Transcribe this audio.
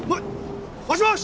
もしもし！